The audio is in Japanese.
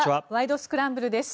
スクランブル」です。